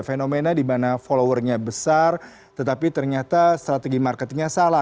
fenomena dimana followernya besar tetapi ternyata strategi marketingnya salah